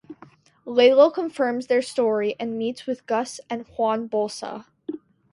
Lalo confirms their story and meets with Gus and Juan Bolsa.